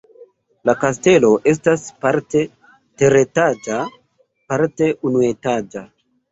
La kastelo estas parte teretaĝa, parte unuetaĝa.